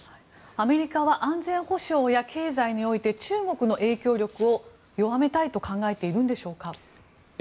アメリカは安全保障や経済において中国の影響力を弱めたいと考えているんでしょうか？